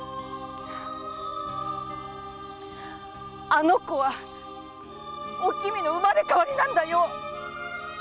あの子はおきみの生まれ変わりなんだよ！